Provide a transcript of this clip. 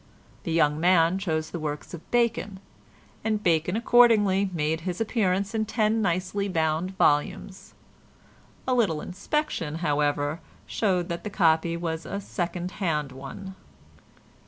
The young man chose the works of Bacon, and Bacon accordingly made his appearance in ten nicely bound volumes. A little inspection, however, showed that the copy was a second hand one.